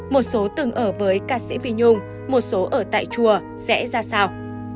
một số từng ở với ca sĩ vi nhung một số ở tại chùa sẽ ra sao